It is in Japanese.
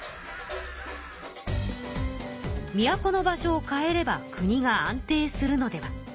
都の場所を変えれば国が安定するのでは？